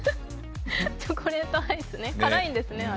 チョコレートアイスね、辛いんですね、あれ。